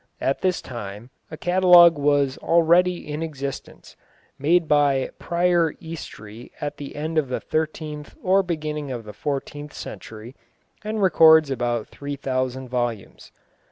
At this time a catalogue was already in existence, made by Prior Eastry at the end of the thirteenth or beginning of the fourteenth century, and records about three thousand volumes.